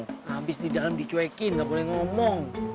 habis di dalam dicuekin nggak boleh ngomong